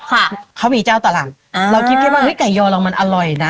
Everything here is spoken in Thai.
ค่ะเขามีเจ้าตล่ำอ่าเราคิดแค่ว่าเฮ้ยไก่ยอเรามันอร่อยนะ